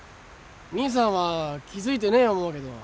兄さんは気付いてねえ思うけど。